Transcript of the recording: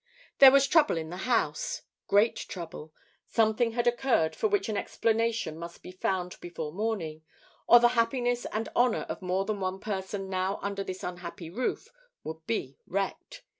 There was trouble in the house great trouble. Something had occurred for which an explanation must be found before morning, or the happiness and honour of more than one person now under this unhappy roof would be wrecked.